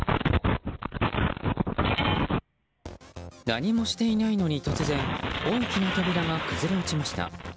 何もしていないのに突然、大きな扉が崩れ落ちました。